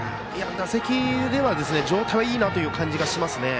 打席では状態はいいなという感じがしましたね。